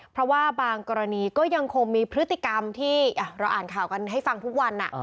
เพราะว่าบางกรณีก็ยังคงมีพฤติกรรมที่เราอ่านข่าวกันให้ฟังทุกวัน